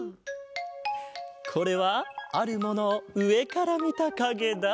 これはあるものをうえからみたかげだ。